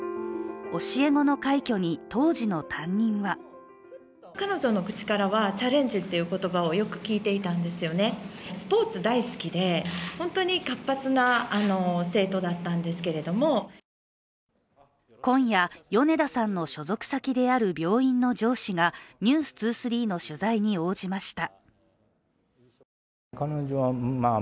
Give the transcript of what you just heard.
教え子の快挙に、当時の担任は今夜、米田さんの所属先である病院の上司が、「ｎｅｗｓ２３」の取材に応じました。